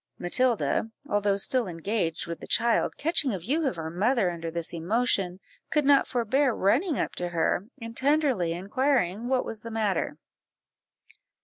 Matilda, although still engaged with the child, catching a view of her mother under this emotion, could not forbear running up to her, and tenderly inquired what was the matter.